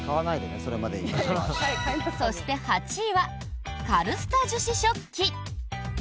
そして８位は、軽スタ樹脂食器。